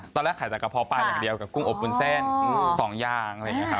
ตอนแรกขายแต่กะพร้อปลาอย่างเดียวกับกุ้งอบบุญเส้น๒อย่าง